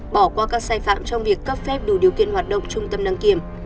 bỏ qua các sai phạm trong việc cấp phép đủ điều kiện hoạt động trung tâm đăng kiểm